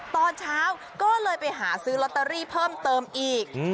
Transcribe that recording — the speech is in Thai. ตอนเช้าก็เลยไปหาซื้อลอตเตอรี่เพิ่มเติมอีก